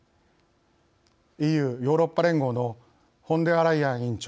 ＥＵ＝ヨーロッパ連合のフォンデアライエン委員長